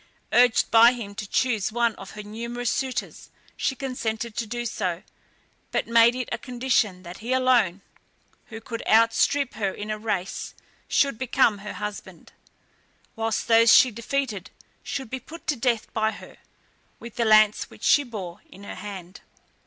Urged by him to choose one of her numerous suitors, she consented to do so, but made it a condition that he alone, who could outstrip her in the race, should become her husband, whilst those she defeated should be put to death by her, with the lance which she bore in her hand.